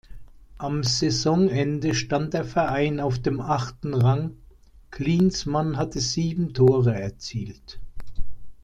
Am Saisonende stand der Verein auf dem achten Rang, Klinsmann hatte sieben Tore erzielt.